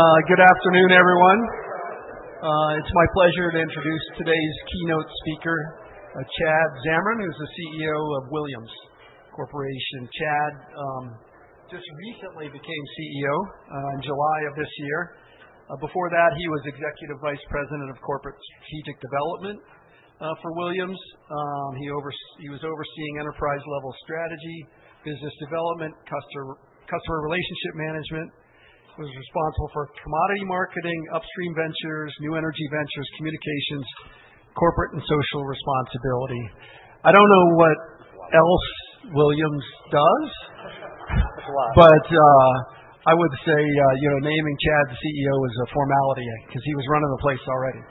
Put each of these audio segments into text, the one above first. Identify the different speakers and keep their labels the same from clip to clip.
Speaker 1: Good afternoon, everyone. It's my pleasure to introduce today's keynote speaker, Chad Zamarin, who's the CEO of Williams Companies. Chad just recently became CEO in July of this year. Before that, he was Executive Vice President of Corporate Strategic Development for Williams. He was overseeing enterprise-level strategy, business development, customer relationship management, was responsible for commodity marketing, upstream ventures, new energy ventures, communications, corporate and social responsibility. I don't know what else Williams does, but I would say, you know, naming Chad the CEO is a formality because he was running the place already.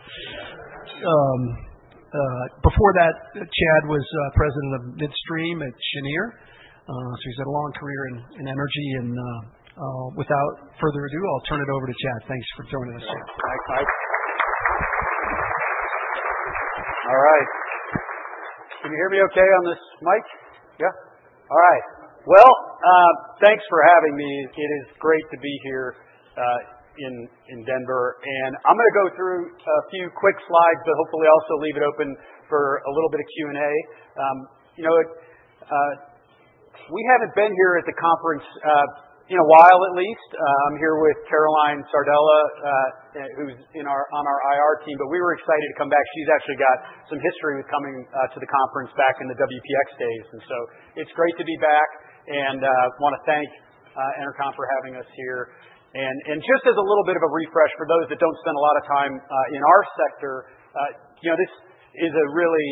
Speaker 1: Before that, Chad was President of Midstream at Cheniere Energy. So he's had a long career in energy. And without further ado, I'll turn it over to Chad. Thanks for joining us here.
Speaker 2: Thanks, Mike. All right. Can you hear me okay on this mic? Yeah? All right. Well, thanks for having me. It is great to be here in Denver. And I'm going to go through a few quick slides, but hopefully also leave it open for a little bit of Q&A. You know, we haven't been here at the conference in a while, at least. I'm here with Caroline Sardella, who's on our IR team. But we were excited to come back. She's actually got some history with coming to the conference back in the WPX days. And so it's great to be back. And I want to thank EnerCom for having us here. And just as a little bit of a refresh for those that don't spend a lot of time in our sector, you know, this is a really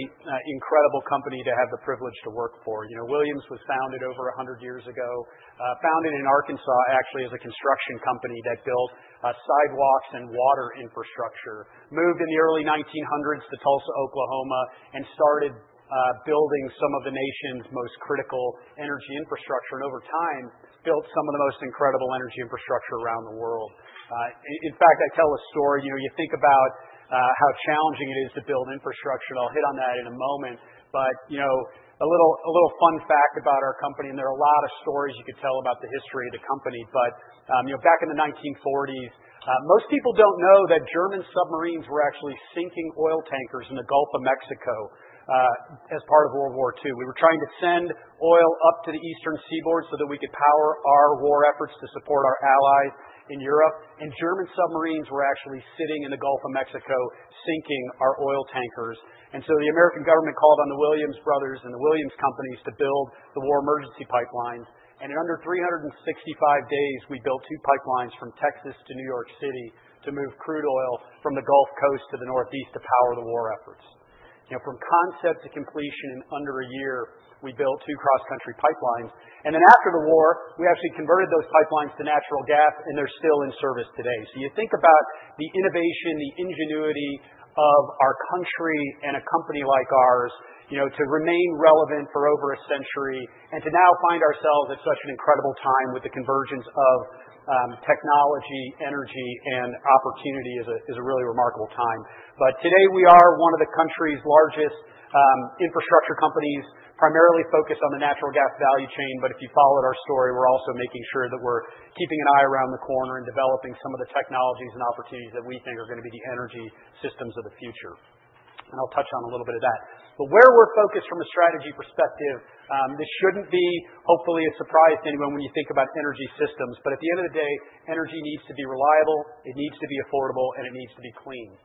Speaker 2: incredible company to have the privilege to work for. You know, Williams was founded over 100 years ago, founded in Arkansas, actually, as a construction company that built sidewalks and water infrastructure. Moved in the early 1900s to Tulsa, Oklahoma, and started building some of the nation's most critical energy infrastructure, and over time, built some of the most incredible energy infrastructure around the world. In fact, I tell a story. You know, you think about how challenging it is to build infrastructure, and I'll hit on that in a moment, but, you know, a little fun fact about our company, and there are a lot of stories you could tell about the history of the company, but, you know, back in the 1940s, most people don't know that German submarines were actually sinking oil tankers in the Gulf of Mexico as part of World War II. We were trying to send oil up to the eastern seaboard so that we could power our war efforts to support our allies in Europe. And German submarines were actually sitting in the Gulf of Mexico sinking our oil tankers. And so the American government called on the Williams brothers and the Williams Companies to build the War Emergency Pipelines. And in under 365 days, we built two pipelines from Texas to New York City to move crude oil from the Gulf Coast to the Northeast to power the war efforts. You know, from concept to completion in under a year, we built two cross-country pipelines. And then after the war, we actually converted those pipelines to natural gas. And they're still in service today. So you think about the innovation, the ingenuity of our country and a company like ours, you know, to remain relevant for over a century and to now find ourselves at such an incredible time with the convergence of technology, energy, and opportunity is a really remarkable time. But today, we are one of the country's largest infrastructure companies, primarily focused on the natural gas value chain. But if you followed our story, we're also making sure that we're keeping an eye around the corner and developing some of the technologies and opportunities that we think are going to be the energy systems of the future. And I'll touch on a little bit of that. But where we're focused from a strategy perspective, this shouldn't be hopefully a surprise to anyone when you think about energy systems. But at the end of the day, energy needs to be reliable, it needs to be affordable, and it needs to be clean.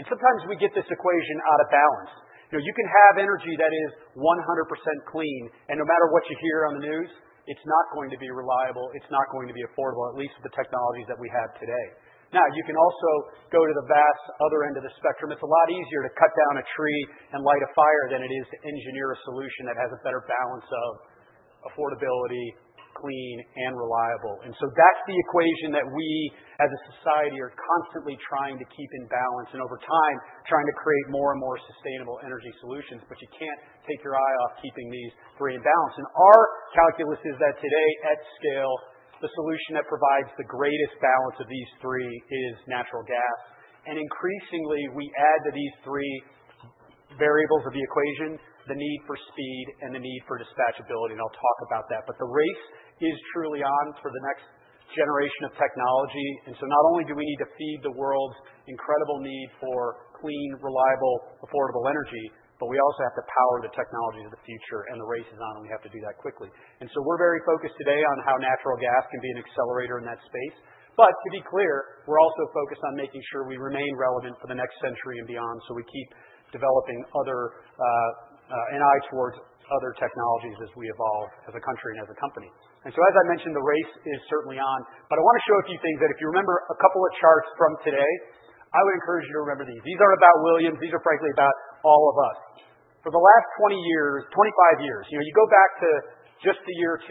Speaker 2: And sometimes we get this equation out of balance. You know, you can have energy that is 100% clean. And no matter what you hear on the news, it's not going to be reliable. It's not going to be affordable, at least with the technologies that we have today. Now, you can also go to the vast other end of the spectrum. It's a lot easier to cut down a tree and light a fire than it is to engineer a solution that has a better balance of affordability, clean, and reliable. And so that's the equation that we, as a society, are constantly trying to keep in balance and over time trying to create more and more sustainable energy solutions. But you can't take your eye off keeping these three in balance. And our calculus is that today, at scale, the solution that provides the greatest balance of these three is natural gas. And increasingly, we add to these three variables of the equation the need for speed and the need for dispatchability. And I'll talk about that. But the race is truly on for the next generation of technology. And so not only do we need to feed the world's incredible need for clean, reliable, affordable energy, but we also have to power the technologies of the future. And the race is on. And we have to do that quickly. And so we're very focused today on how natural gas can be an accelerator in that space. But to be clear, we're also focused on making sure we remain relevant for the next century and beyond, so we keep developing other and eye towards other technologies as we evolve as a country and as a company, and so, as I mentioned, the race is certainly on, but I want to show a few things that if you remember a couple of charts from today, I would encourage you to remember these. These aren't about Williams. These are frankly about all of us. For the last 20 years, 25 years, you know, you go back to just the year 2000,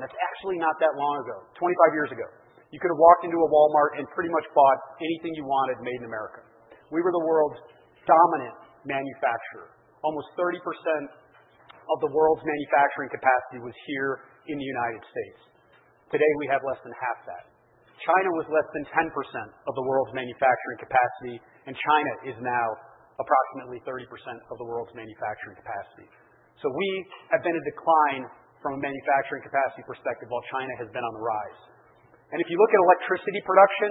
Speaker 2: that's actually not that long ago, 25 years ago, you could have walked into a Walmart and pretty much bought anything you wanted made in America. We were the world's dominant manufacturer. Almost 30% of the world's manufacturing capacity was here in the United States. Today, we have less than half that. China was less than 10% of the world's manufacturing capacity, and China is now approximately 30% of the world's manufacturing capacity, so we have been a decline from a manufacturing capacity perspective while China has been on the rise, and if you look at electricity production,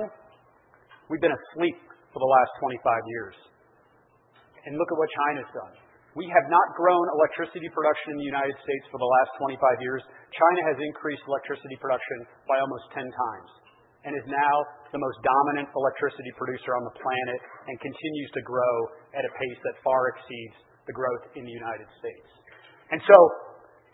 Speaker 2: we've been asleep for the last 25 years, and look at what China's done. We have not grown electricity production in the United States for the last 25 years. China has increased electricity production by almost 10 times and is now the most dominant electricity producer on the planet and continues to grow at a pace that far exceeds the growth in the United States, and so,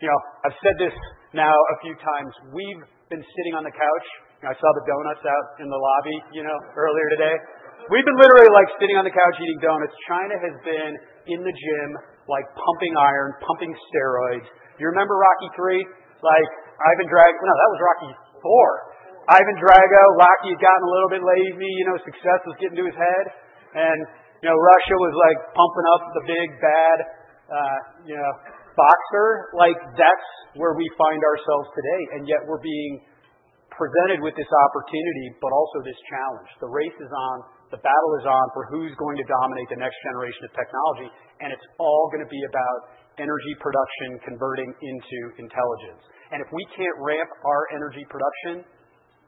Speaker 2: you know, I've said this now a few times. We've been sitting on the couch. You know, I saw the donuts out in the lobby, you know, earlier today. We've been literally, like, sitting on the couch eating donuts. China has been in the gym, like, pumping iron, pumping steroids. You remember Rocky III? Like, Ivan Drago, no, that was Rocky IV. Ivan Drago, Rocky had gotten a little bit lazy. You know, success was getting to his head, and, you know, Russia was, like, pumping up the big bad, you know, boxer. Like, that's where we find ourselves today, and yet we're being presented with this opportunity, but also this challenge. The race is on. The battle is on for who's going to dominate the next generation of technology, and it's all going to be about energy production converting into intelligence, and if we can't ramp our energy production,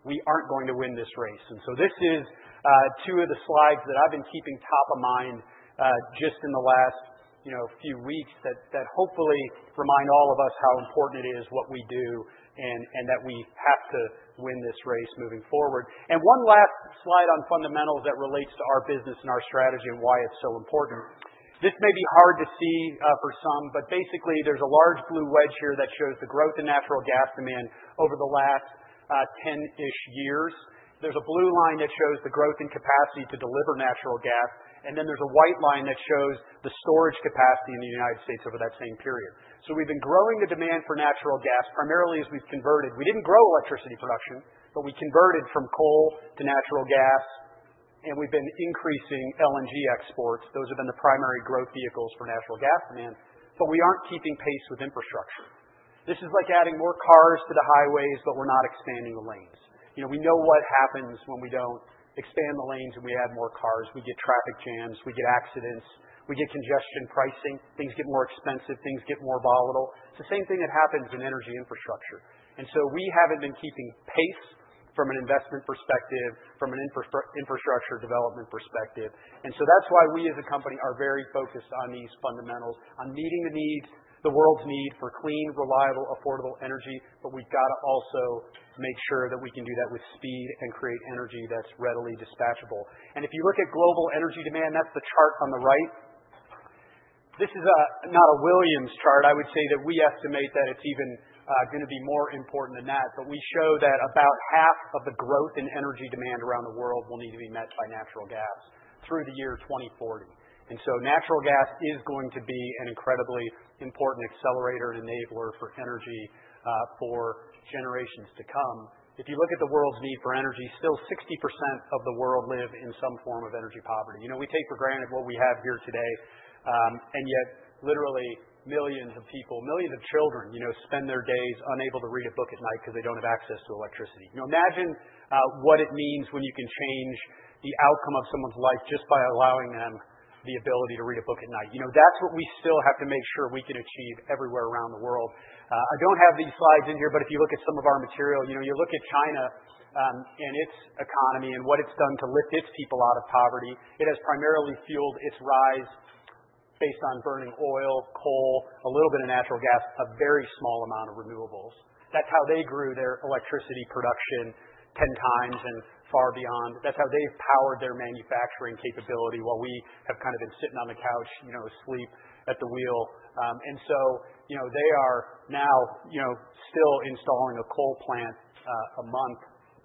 Speaker 2: we aren't going to win this race. And so this is two of the slides that I've been keeping top of mind just in the last, you know, few weeks that hopefully remind all of us how important it is what we do and that we have to win this race moving forward. And one last slide on fundamentals that relates to our business and our strategy and why it's so important. This may be hard to see for some. But basically, there's a large blue wedge here that shows the growth in natural gas demand over the last 10-ish years. There's a blue line that shows the growth in capacity to deliver natural gas. And then there's a white line that shows the storage capacity in the United States over that same period. So we've been growing the demand for natural gas primarily as we've converted. We didn't grow electricity production, but we converted from coal to natural gas, and we've been increasing LNG exports. Those have been the primary growth vehicles for natural gas demand, but we aren't keeping pace with infrastructure. This is like adding more cars to the highways, but we're not expanding the lanes. You know, we know what happens when we don't expand the lanes and we add more cars. We get traffic jams. We get accidents. We get congestion pricing. Things get more expensive. Things get more volatile. It's the same thing that happens in energy infrastructure, and so we haven't been keeping pace from an investment perspective, from an infrastructure development perspective, and so that's why we, as a company, are very focused on these fundamentals, on meeting the needs, the world's need for clean, reliable, affordable energy. But we've got to also make sure that we can do that with speed and create energy that's readily dispatchable. And if you look at global energy demand, that's the chart on the right. This is not a Williams chart. I would say that we estimate that it's even going to be more important than that. But we show that about half of the growth in energy demand around the world will need to be met by natural gas through the year 2040. And so natural gas is going to be an incredibly important accelerator and enabler for energy for generations to come. If you look at the world's need for energy, still 60% of the world live in some form of energy poverty. You know, we take for granted what we have here today. And yet literally millions of people, millions of children, you know, spend their days unable to read a book at night because they don't have access to electricity. You know, imagine what it means when you can change the outcome of someone's life just by allowing them the ability to read a book at night. You know, that's what we still have to make sure we can achieve everywhere around the world. I don't have these slides in here. But if you look at some of our material, you know, you look at China and its economy and what it's done to lift its people out of poverty. It has primarily fueled its rise based on burning oil, coal, a little bit of natural gas, a very small amount of renewables. That's how they grew their electricity production 10 times and far beyond. That's how they've powered their manufacturing capability while we have kind of been sitting on the couch, you know, asleep at the wheel, and so, you know, they are now, you know, still installing a coal plant a month,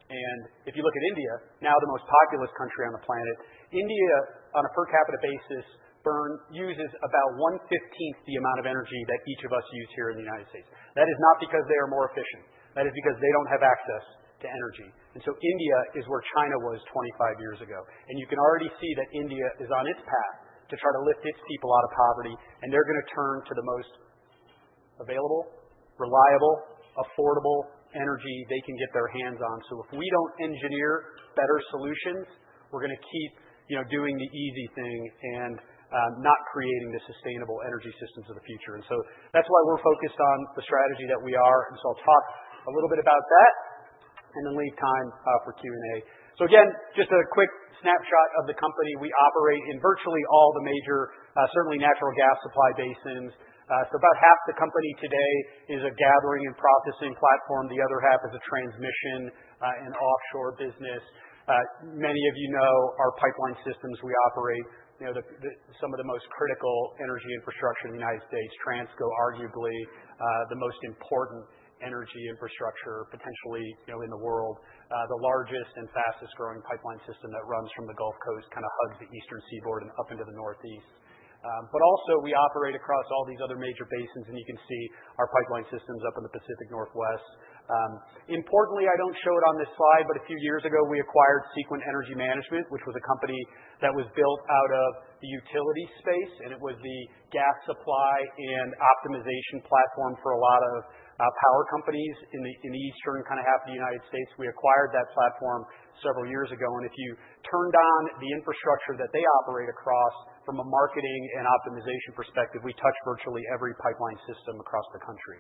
Speaker 2: and if you look at India, now the most populous country on the planet, India on a per capita basis uses about one-fifteenth the amount of energy that each of us use here in the United States. That is not because they are more efficient. That is because they don't have access to energy, and so India is where China was 25 years ago, and you can already see that India is on its path to try to lift its people out of poverty, and they're going to turn to the most available, reliable, affordable energy they can get their hands on. So if we don't engineer better solutions, we're going to keep, you know, doing the easy thing and not creating the sustainable energy systems of the future. And so that's why we're focused on the strategy that we are. And so I'll talk a little bit about that and then leave time for Q&A. So again, just a quick snapshot of the company. We operate in virtually all the major, certainly natural gas supply basins. So about half the company today is a gathering and processing platform. The other half is a transmission and offshore business. Many of you know our pipeline systems. We operate, you know, some of the most critical energy infrastructure in the United States, Transco, arguably the most important energy infrastructure potentially, you know, in the world. The largest and fastest growing pipeline system that runs from the Gulf Coast kind of hugs the Eastern Seaboard and up into the Northeast, but also we operate across all these other major basins, and you can see our pipeline systems up in the Pacific Northwest. Importantly, I don't show it on this slide, but a few years ago, we acquired Sequent Energy Management, which was a company that was built out of the utility space, and it was the gas supply and optimization platform for a lot of power companies in the eastern kind of half of the United States. We acquired that platform several years ago, and if you turned on the infrastructure that they operate across from a marketing and optimization perspective, we touch virtually every pipeline system across the country,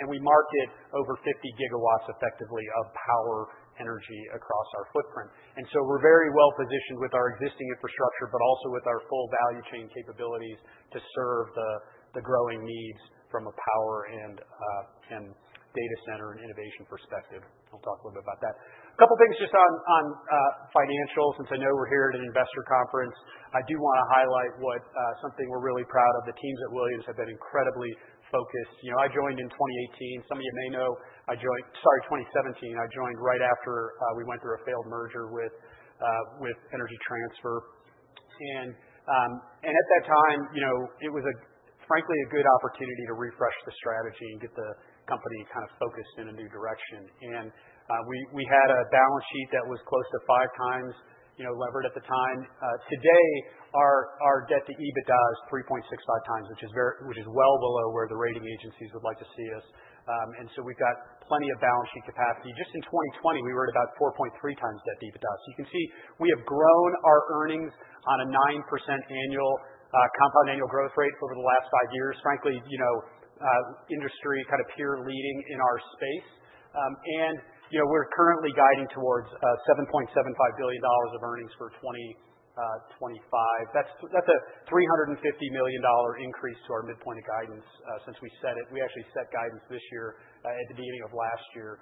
Speaker 2: and we market over 50 gigawatts effectively of power energy across our footprint. And so we're very well positioned with our existing infrastructure, but also with our full value chain capabilities to serve the growing needs from a power and data center and innovation perspective. I'll talk a little bit about that. A couple of things just on financials. Since I know we're here at an investor conference, I do want to highlight what something we're really proud of. The teams at Williams have been incredibly focused. You know, I joined in 2018. Some of you may know I joined, sorry, 2017. I joined right after we went through a failed merger with Energy Transfer. And at that time, you know, it was frankly a good opportunity to refresh the strategy and get the company kind of focused in a new direction. And we had a balance sheet that was close to five times, you know, levered at the time. Today, our debt to EBITDA is 3.65 times, which is well below where the rating agencies would like to see us, and so we've got plenty of balance sheet capacity. Just in 2020, we were at about 4.3 times debt to EBITDA, so you can see we have grown our earnings on a 9% annual compound annual growth rate over the last five years. Frankly, you know, industry kind of peer leading in our space, and, you know, we're currently guiding towards $7.75 billion of earnings for 2025. That's a $350 million increase to our midpoint of guidance since we set it. We actually set guidance this year at the beginning of last year,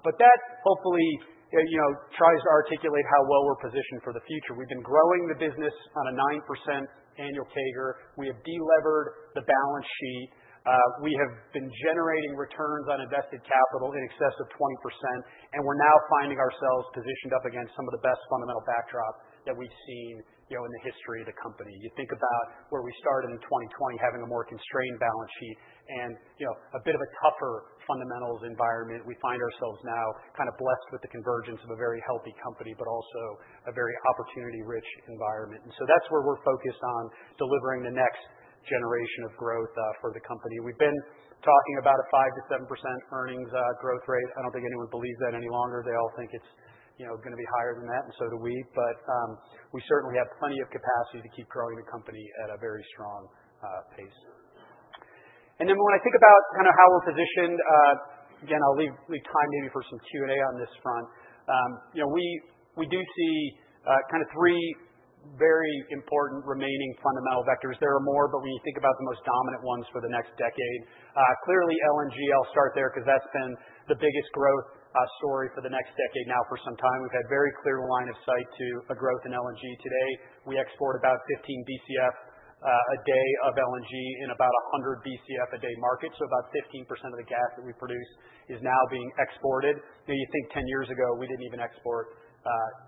Speaker 2: but that hopefully, you know, tries to articulate how well we're positioned for the future. We've been growing the business on a 9% annual CAGR. We have delevered the balance sheet. We have been generating returns on invested capital in excess of 20%, and we're now finding ourselves positioned up against some of the best fundamental backdrop that we've seen, you know, in the history of the company. You think about where we started in 2020 having a more constrained balance sheet and, you know, a bit of a tougher fundamentals environment. We find ourselves now kind of blessed with the convergence of a very healthy company, but also a very opportunity-rich environment, and so that's where we're focused on delivering the next generation of growth for the company. We've been talking about a 5%-7% earnings growth rate. I don't think anyone believes that any longer. They all think it's, you know, going to be higher than that, and so do we, but we certainly have plenty of capacity to keep growing the company at a very strong pace. And then when I think about kind of how we're positioned, again, I'll leave time maybe for some Q&A on this front. You know, we do see kind of three very important remaining fundamental vectors. There are more, but when you think about the most dominant ones for the next decade, clearly LNG, I'll start there because that's been the biggest growth story for the next decade now for some time. We've had very clear line of sight to a growth in LNG. Today, we export about 15 BCF a day of LNG in about 100 BCF a day market, so about 15% of the gas that we produce is now being exported. Now, you think 10 years ago we didn't even export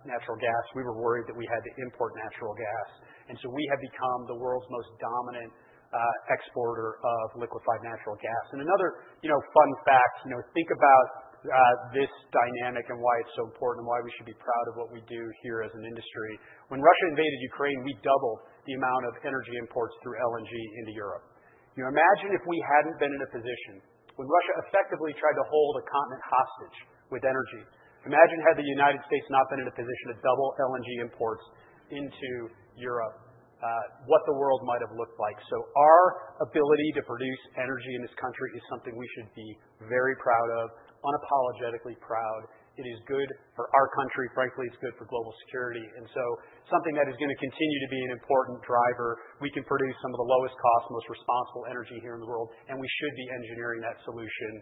Speaker 2: natural gas. We were worried that we had to import natural gas, and so we have become the world's most dominant exporter of liquefied natural gas. And another, you know, fun fact, you know, think about this dynamic and why it's so important and why we should be proud of what we do here as an industry. When Russia invaded Ukraine, we doubled the amount of energy imports through LNG into Europe. You know, imagine if we hadn't been in a position when Russia effectively tried to hold a continent hostage with energy. Imagine had the United States not been in a position to double LNG imports into Europe, what the world might have looked like. So our ability to produce energy in this country is something we should be very proud of, unapologetically proud. It is good for our country. Frankly, it's good for global security. And so something that is going to continue to be an important driver. We can produce some of the lowest cost, most responsible energy here in the world. And we should be engineering that solution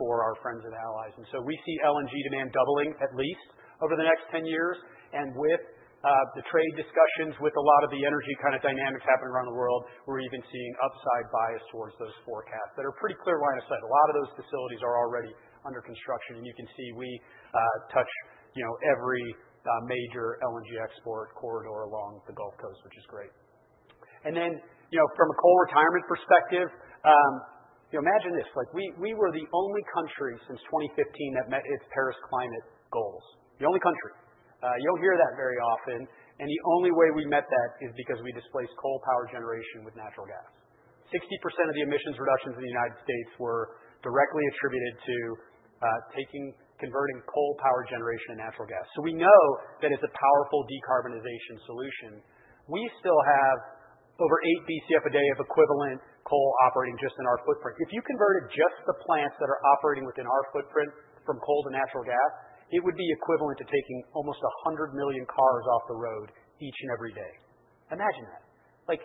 Speaker 2: for our friends and allies. And so we see LNG demand doubling at least over the next 10 years. And with the trade discussions, with a lot of the energy kind of dynamics happening around the world, we're even seeing upside bias towards those forecasts. And a pretty clear line of sight. A lot of those facilities are already under construction. And you can see we touch, you know, every major LNG export corridor along the Gulf Coast, which is great. And then, you know, from a coal retirement perspective, you know, imagine this. Like, we were the only country since 2015 that met its Paris climate goals. The only country. You don't hear that very often. And the only way we met that is because we displaced coal power generation with natural gas. 60% of the emissions reductions in the United States were directly attributed to taking, converting coal power generation to natural gas. So we know that it's a powerful decarbonization solution. We still have over eight BCF a day of equivalent coal operating just in our footprint. If you converted just the plants that are operating within our footprint from coal to natural gas, it would be equivalent to taking almost 100 million cars off the road each and every day. Imagine that. Like,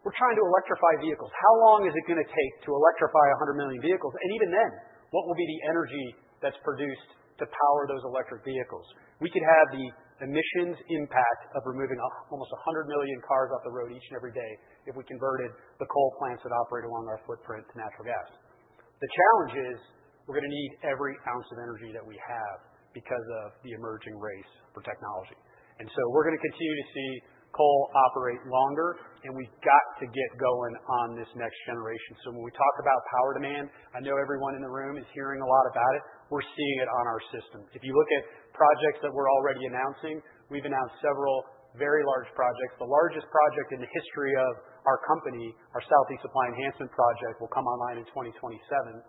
Speaker 2: we're trying to electrify vehicles. How long is it going to take to electrify 100 million vehicles? And even then, what will be the energy that's produced to power those electric vehicles? We could have the emissions impact of removing almost 100 million cars off the road each and every day if we converted the coal plants that operate along our footprint to natural gas. The challenge is we're going to need every ounce of energy that we have because of the emerging race for technology. And so we're going to continue to see coal operate longer. And we've got to get going on this next generation. So when we talk about power demand, I know everyone in the room is hearing a lot about it. We're seeing it on our system. If you look at projects that we're already announcing, we've announced several very large projects. The largest project in the history of our company, our Southeast Supply Enhancement project, will come online in 2027.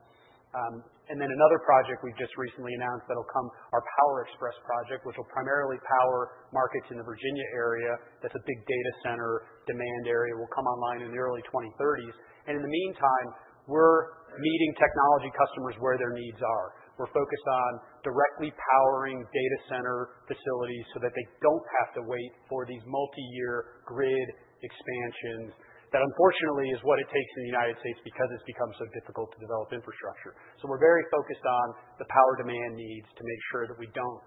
Speaker 2: And then another project we've just recently announced that'll come online, our Power Express project, which will primarily power markets in the Virginia area. That's a big data center demand area. It will come online in the early 2030s. And in the meantime, we're meeting technology customers where their needs are. We're focused on directly powering data center facilities so that they don't have to wait for these multi-year grid expansions that unfortunately is what it takes in the United States because it's become so difficult to develop infrastructure. So we're very focused on the power demand needs to make sure that we don't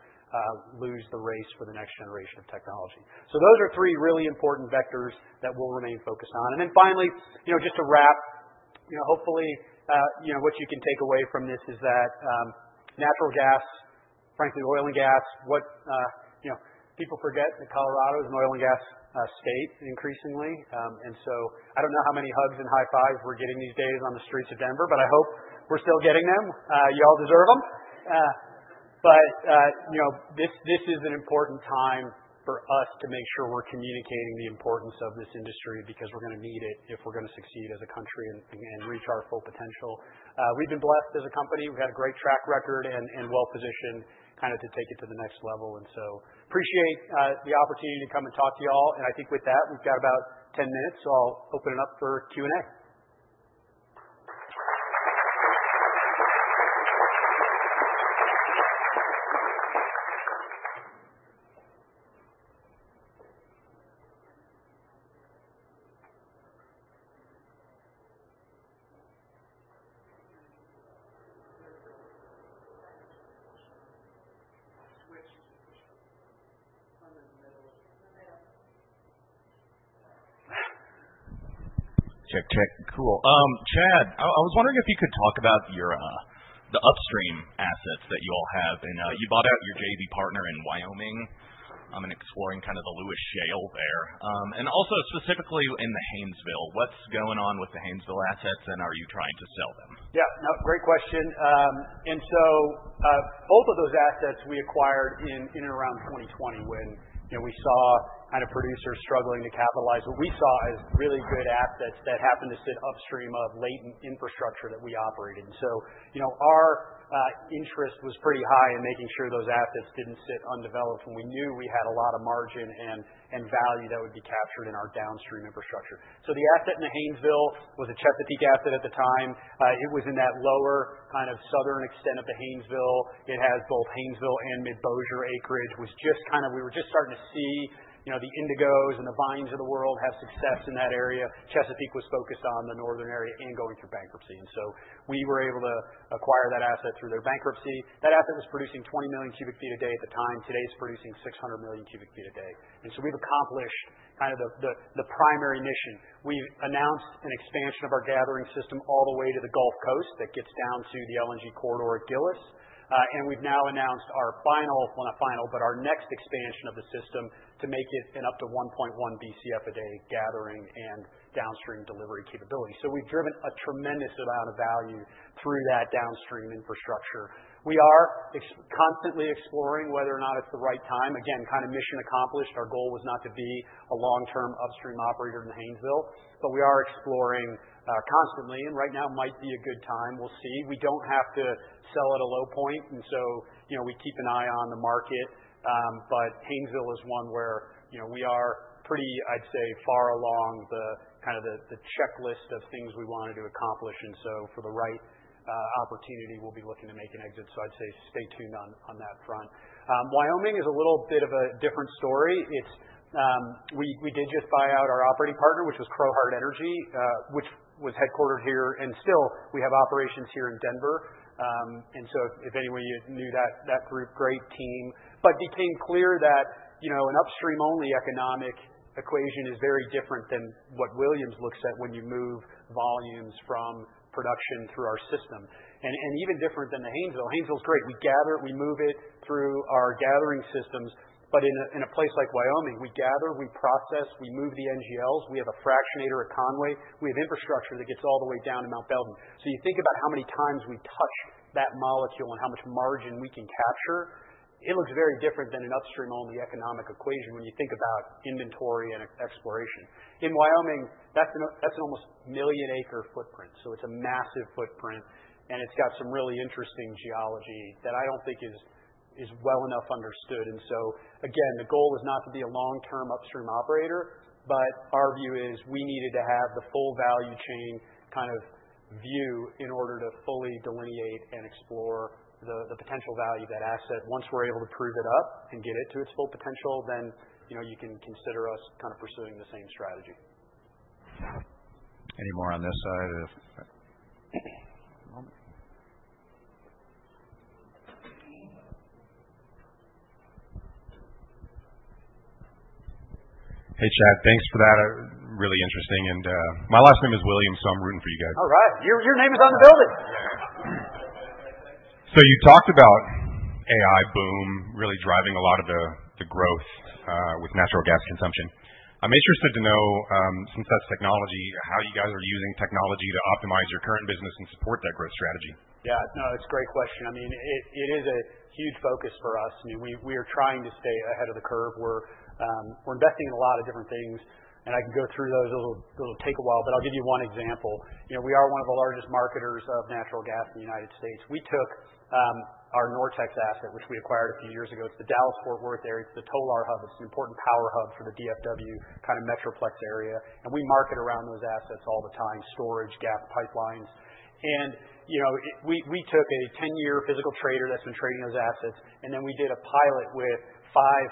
Speaker 2: lose the race for the next generation of technology. So those are three really important vectors that we'll remain focused on. And then finally, you know, just to wrap, you know, hopefully, you know, what you can take away from this is that natural gas, frankly, oil and gas, what, you know, people forget that Colorado is an oil and gas state increasingly. And so I don't know how many hugs and high fives we're getting these days on the streets of Denver, but I hope we're still getting them. You all deserve them. But, you know, this is an important time for us to make sure we're communicating the importance of this industry because we're going to need it if we're going to succeed as a country and reach our full potential. We've been blessed as a company. We've had a great track record and well positioned kind of to take it to the next level. And so appreciate the opportunity to come and talk to you all. And I think with that, we've got about 10 minutes. So I'll open it up for Q&A. Check, check. Cool. Chad, I was wondering if you could talk about your upstream assets that you all have? And you bought out your JV partner in Wyoming. I'm exploring kind of the Lewis Shale there. And also specifically in the Haynesville, what's going on with the Haynesville assets? And are you trying to sell them? Yeah. No, great question. And so both of those assets we acquired in and around 2020 when, you know, we saw kind of producers struggling to capitalize. What we saw as really good assets that happened to sit upstream of latent infrastructure that we operated. And so, you know, our interest was pretty high in making sure those assets didn't sit undeveloped when we knew we had a lot of margin and value that would be captured in our downstream infrastructure. So the asset in the Haynesville was a Chesapeake asset at the time. It was in that lower kind of southern extent of the Haynesville. It has both Haynesville and Mid-Bossier acreage. It was just kind of we were just starting to see, you know, the Indigos and the Vines of the world have success in that area. Chesapeake was focused on the northern area and going through bankruptcy, and so we were able to acquire that asset through their bankruptcy. That asset was producing 20 million cubic feet a day at the time. Today, it's producing 600 million cubic feet a day, and so we've accomplished kind of the primary mission. We've announced an expansion of our gathering system all the way to the Gulf Coast that gets down to the LNG Corridor at Gillis, and we've now announced our final, well, not final, but our next expansion of the system to make it an up to 1.1 BCF a day gathering and downstream delivery capability, so we've driven a tremendous amount of value through that downstream infrastructure. We are constantly exploring whether or not it's the right time. Again, kind of mission accomplished. Our goal was not to be a long-term upstream operator in the Haynesville, but we are exploring constantly, and right now might be a good time. We'll see. We don't have to sell at a low point, and so, you know, we keep an eye on the market, but Haynesville is one where, you know, we are pretty, I'd say, far along the kind of the checklist of things we wanted to accomplish, and so for the right opportunity, we'll be looking to make an exit, so I'd say stay tuned on that front. Wyoming is a little bit of a different story. We did just buy out our operating partner, which was Crowheart Energy, which was headquartered here, and still, we have operations here in Denver. And so if anyone knew that group, great team, but became clear that, you know, an upstream-only economic equation is very different than what Williams looks at when you move volumes from production through our system, and even different than the Haynesville. Haynesville is great. We gather it. We move it through our gathering systems, but in a place like Wyoming, we gather, we process, we move the NGLs. We have a fractionator at Conway. We have infrastructure that gets all the way down to Mont Belvieu, so you think about how many times we touch that molecule and how much margin we can capture. It looks very different than an upstream-only economic equation when you think about inventory and exploration. In Wyoming, that's an almost one-million-acre footprint, so it's a massive footprint, and it's got some really interesting geology that I don't think is well enough understood. And so, again, the goal was not to be a long-term upstream operator, but our view is we needed to have the full value chain kind of view in order to fully delineate and explore the potential value of that asset. Once we're able to prove it up and get it to its full potential, then, you know, you can consider us kind of pursuing the same strategy. Any more on this side? Hey, Chad. Thanks for that. Really interesting. And my last name is Williams, so I'm rooting for you guys. All right. Your name is on the building. So you talked about AI boom really driving a lot of the growth with natural gas consumption. I'm interested to know, since that's technology, how you guys are using technology to optimize your current business and support that growth strategy. Yeah. No, that's a great question. I mean, it is a huge focus for us. I mean, we are trying to stay ahead of the curve. We're investing in a lot of different things, and I can go through those. It'll take a while, but I'll give you one example. You know, we are one of the largest marketers of natural gas in the United States. We took our NorTex asset, which we acquired a few years ago. It's the Dallas-Fort Worth area. It's the Tolar Hub. It's an important power hub for the DFW kind of Metroplex area, and we market around those assets all the time: storage, gas pipelines. And, you know, we took a 10-year physical trader that's been trading those assets, and then we did a pilot with five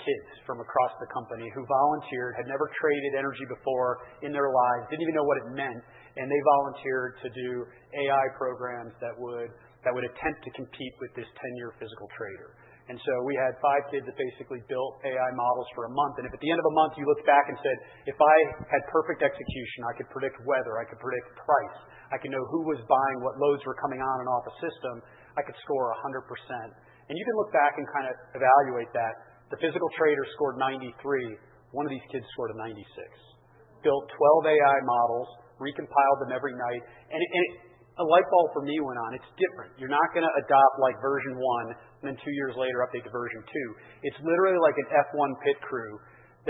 Speaker 2: kids from across the company who volunteered, had never traded energy before in their lives, didn't even know what it meant. And they volunteered to do AI programs that would attempt to compete with this 10-year physical trader. And so we had five kids that basically built AI models for a month. And if at the end of a month you looked back and said, "If I had perfect execution, I could predict weather, I could predict price, I could know who was buying, what loads were coming on and off a system, I could score 100%." And you can look back and kind of evaluate that. The physical trader scored 93. One of these kids scored a 96, built 12 AI models, recompiled them every night. And a light bulb for me went on. It's different. You're not going to adopt like version one and then two years later update to version two. It's literally like an F1 pit crew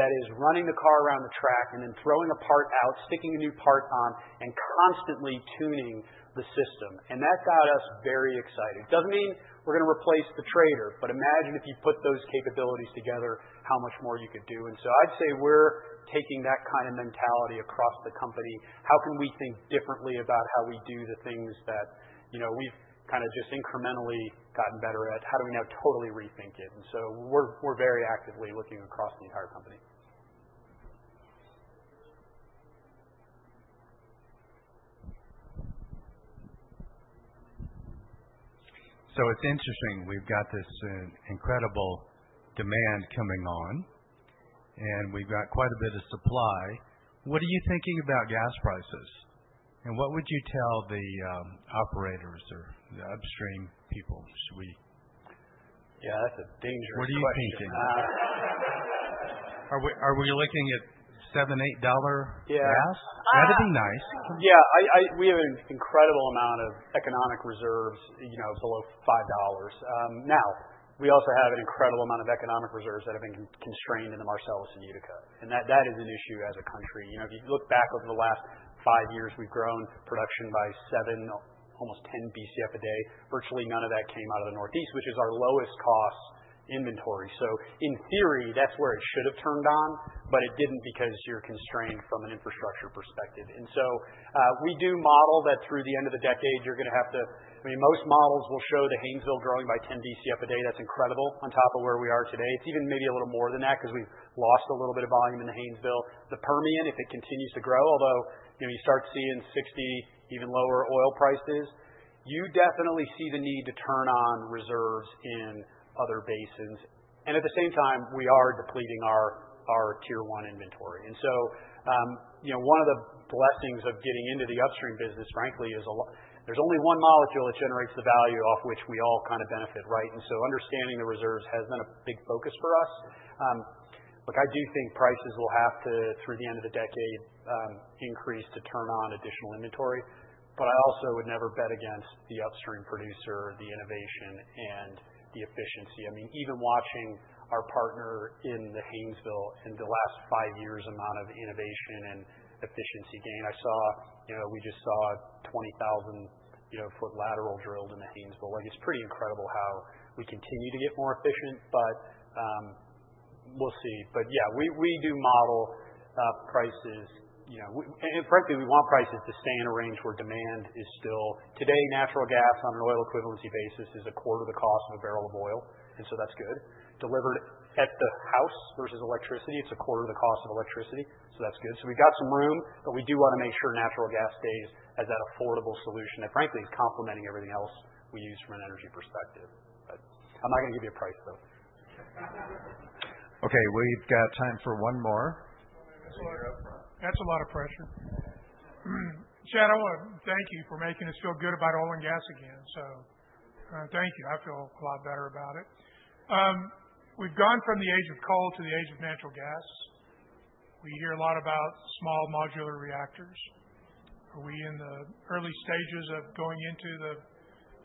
Speaker 2: that is running the car around the track and then throwing a part out, sticking a new part on, and constantly tuning the system. And that got us very excited. It doesn't mean we're going to replace the trader. But imagine if you put those capabilities together, how much more you could do. And so I'd say we're taking that kind of mentality across the company. How can we think differently about how we do the things that, you know, we've kind of just incrementally gotten better at? How do we now totally rethink it? And so we're very actively looking across the entire company. So it's interesting. We've got this incredible demand coming on. And we've got quite a bit of supply. What are you thinking about gas prices? And what would you tell the operators or the upstream people? Yeah, that's a dangerous question. What are you thinking? Are we looking at $7-$8 gas? That'd be nice. Yeah. We have an incredible amount of economic reserves, you know, below $5. Now, we also have an incredible amount of economic reserves that have been constrained in the Marcellus and Utica. And that is an issue as a country. You know, if you look back over the last five years, we've grown production by seven, almost 10 BCF a day. Virtually none of that came out of the Northeast, which is our lowest cost inventory. So in theory, that's where it should have turned on, but it didn't because you're constrained from an infrastructure perspective. And so we do model that through the end of the decade, you're going to have to, I mean, most models will show the Haynesville growing by 10 BCF a day. That's incredible on top of where we are today. It's even maybe a little more than that because we've lost a little bit of volume in the Haynesville. The Permian, if it continues to grow, although, you know, you start seeing $60, even lower oil prices, you definitely see the need to turn on reserves in other basins, and at the same time, we are depleting our tier one inventory, and so, you know, one of the blessings of getting into the upstream business, frankly, is there's only one molecule that generates the value off which we all kind of benefit, right, and so understanding the reserves has been a big focus for us. Look, I do think prices will have to, through the end of the decade, increase to turn on additional inventory, but I also would never bet against the upstream producer, the innovation, and the efficiency. I mean, even watching our partner in the Haynesville in the last five years, amount of innovation and efficiency gain. I saw, you know, we just saw 20,000, you know, foot lateral drilled in the Haynesville. Like, it's pretty incredible how we continue to get more efficient, but we'll see. But yeah, we do model prices, you know, and frankly, we want prices to stay in a range where demand is still. Today, natural gas on an oil equivalency basis is a quarter of the cost of a barrel of oil. And so that's good. Delivered at the house versus electricity, it's a quarter of the cost of electricity. So that's good. So we've got some room, but we do want to make sure natural gas stays as that affordable solution that, frankly, is complementing everything else we use from an energy perspective. But I'm not going to give you a price, though. Okay. We've got time for one more. That's a lot of pressure. Chad, I want to thank you for making us feel good about oil and gas again. So thank you. I feel a lot better about it. We've gone from the age of coal to the age of natural gas. We hear a lot about small modular reactors. Are we in the early stages of going into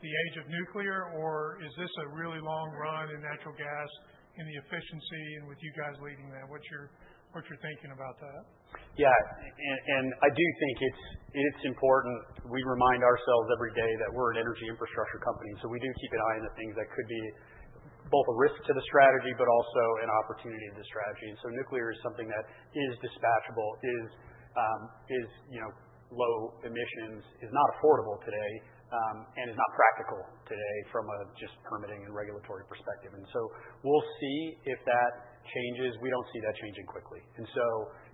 Speaker 2: the age of nuclear, or is this a really long run in natural gas in the efficiency and with you guys leading that? What's your thinking about that? Yeah. And I do think it's important. We remind ourselves every day that we're an energy infrastructure company. So we do keep an eye on the things that could be both a risk to the strategy, but also an opportunity to the strategy. And so nuclear is something that is dispatchable, is, you know, low emissions, is not affordable today, and is not practical today from a just permitting and regulatory perspective. And so we'll see if that changes. We don't see that changing quickly. And so,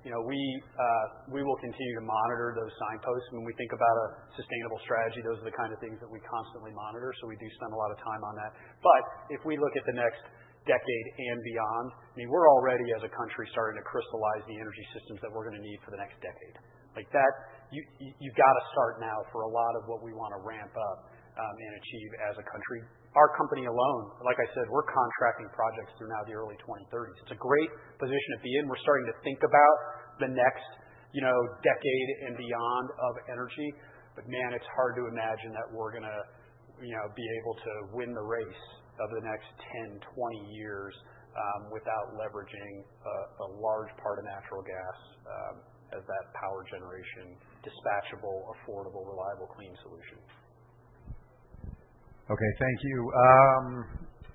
Speaker 2: you know, we will continue to monitor those signposts. When we think about a sustainable strategy, those are the kind of things that we constantly monitor. So we do spend a lot of time on that. But if we look at the next decade and beyond, I mean, we're already, as a country, starting to crystallize the energy systems that we're going to need for the next decade. Like that, you've got to start now for a lot of what we want to ramp up and achieve as a country. Our company alone, like I said, we're contracting projects through now the early 2030s. It's a great position to be in. We're starting to think about the next, you know, decade and beyond of energy. But man, it's hard to imagine that we're going to, you know, be able to win the race of the next 10, 20 years without leveraging a large part of natural gas as that power generation dispatchable, affordable, reliable, clean solution. Okay. Thank you.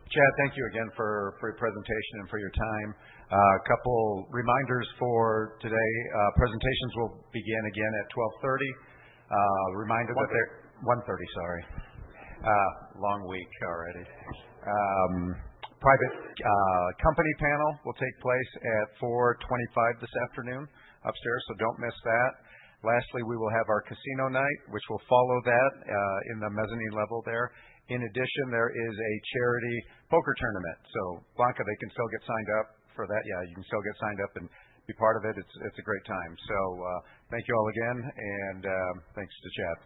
Speaker 2: Chad, thank you again for your presentation and for your time. A couple reminders for today. Presentations will begin again at 12:30 P.M. Reminder that they're 1:30 P.M., sorry. Long week already. Private company panel will take place at 4:25 P.M. this afternoon upstairs, so don't miss that. Lastly, we will have our casino night, which will follow that in the mezzanine level there. In addition, there is a charity poker tournament. So Blanca, they can still get signed up for that. Yeah, you can still get signed up and be part of it. It's a great time. So thank you all again. And thanks to Chad.